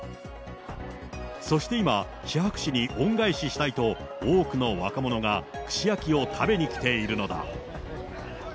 そして今、シハク市に恩返ししたいと、多くの若者が串焼きを食べに来ているのだ。